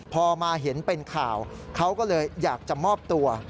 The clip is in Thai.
พอมาเห็นเป็นข่าวเขาก็เลยอยากจะมอบตัว